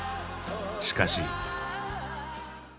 しかし。